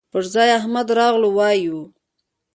پر ځاى احمد راغلهووايو